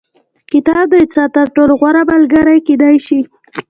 کتاب د انسان تر ټولو غوره ملګری کېدای سي.